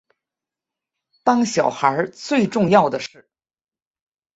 当小孩最重要的事